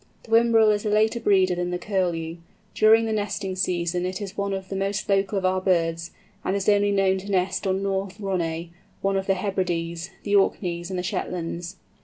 The Whimbrel is a later breeder than the Curlew. During the nesting season it is one of the most local of our birds, and is only known to nest on North Ronay—one of the Hebrides—the Orkneys, and the Shetlands.